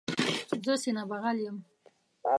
زه سینه بغل یم.